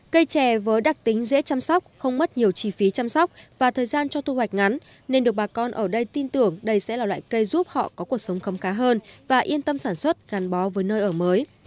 cây chè với đặc tính dễ chăm sóc không mất nhiều chi phí chăm sóc và thời gian cho thu hoạch ngắn nên được bà con ở đây tin tưởng đây sẽ là loại cây giúp họ có cuộc sống khấm cá hơn và yên tâm sản xuất gắn bó với nơi ở mới